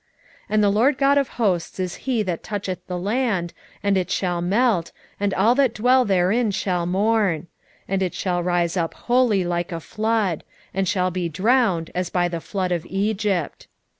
9:5 And the Lord GOD of hosts is he that toucheth the land, and it shall melt, and all that dwell therein shall mourn: and it shall rise up wholly like a flood; and shall be drowned, as by the flood of Egypt.